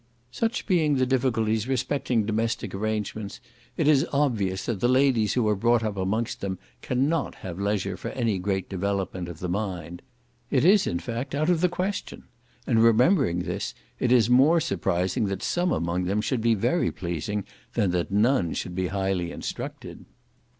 Such being the difficulties respecting domestic arrangements, it is obvious, that the ladies who are brought up amongst them cannot have leisure for any great development of the mind: it is, in fact, out of the question; and, remembering this, it is more surprising that some among them should be very pleasing, than that none should be highly instructed.